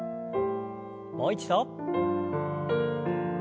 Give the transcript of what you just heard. もう一度。